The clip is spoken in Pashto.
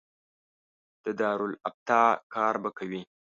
د دارالافتا کار به کوي.